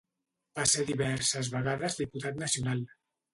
Va ser diverses vegades diputat nacional.